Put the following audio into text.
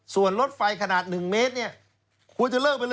ส่วนรถไฟขนาด๑เมตรเนี่ยควรจะเลิกไปเลย